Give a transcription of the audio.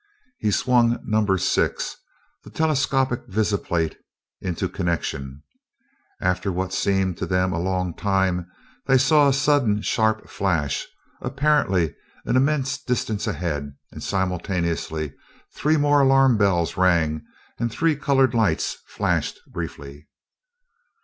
He swung number six, the telescopic visiplate, into connection. After what seemed to them a long time they saw a sudden sharp flash, apparently an immense distance ahead, and simultaneously three more alarm bells rang and three colored lights flashed briefly.